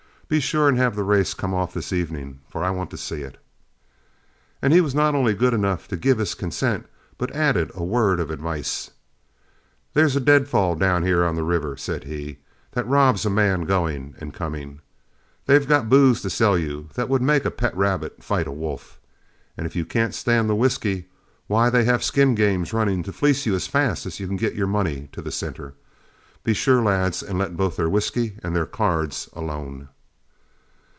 Be sure and have the race come off this evening, for I want to see it." And he was not only good enough to give his consent, but added a word of advice. "There's a deadfall down here on the river," said he, "that robs a man going and coming. They've got booze to sell you that would make a pet rabbit fight a wolf. And if you can't stand the whiskey, why, they have skin games running to fleece you as fast as you can get your money to the centre. Be sure, lads, and let both their whiskey and cards alone."